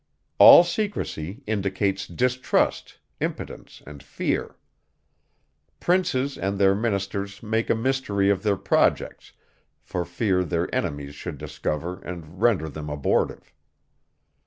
All secrecy indicates distrust, impotence, and fear. Princes and their ministers make a mystery of their projects, for fear their enemies should discover and render them abortive.